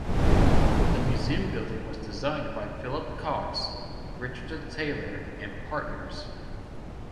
The museum building was designed by Philip Cox, Richardson Taylor and Partners.